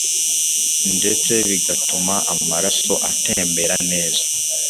ndetse bigatuma amaraso atembera neza